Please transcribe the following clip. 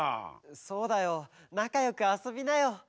そうだよなかよくあそびなよ。